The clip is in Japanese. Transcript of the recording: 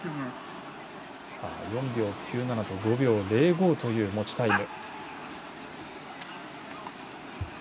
４秒９７と５秒０５という持ちタイム。